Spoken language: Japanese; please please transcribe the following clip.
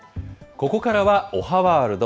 ここからはおはワールド。